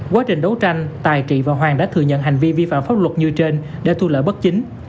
quá trình đấu tranh tài trị và hoàng đã thừa nhận hành vi vi phạm pháp luật như trên để thu lợi bất chính